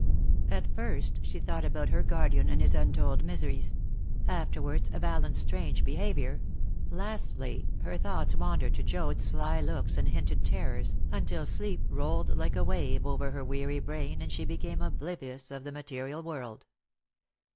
At first she thought about her guardian and his untold miseries; afterwards of Allen's strange behaviour; lastly, her thoughts wandered to Joad's sly looks and hinted terrors, until sleep rolled like a wave over her weary brain, and she became oblivious of the material world.